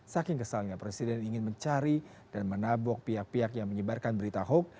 saking kesalnya presiden ingin mencari dan menabok pihak pihak yang menyebarkan berita hoax